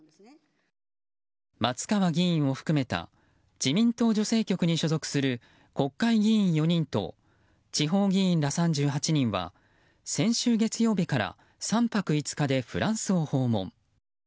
松川議員を含めた自民党女性局に所属する国会議員４人と地方議員ら３８人は先週月曜日から３泊５日でフランスを訪問。